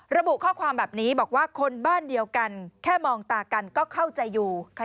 ระบุข้อความแบบนี้บอกว่าคนบ้านเดียวกันแค่มองตากันก็เข้าใจอยู่